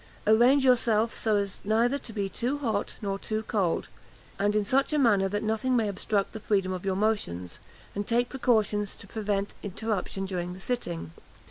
Arrange yourself so as neither to be too hot nor too cold, and in such a manner that nothing may obstruct the freedom of your motions; and take precautions to prevent interruption during the sitting.